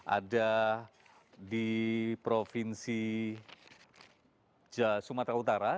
ada di provinsi sumatera utara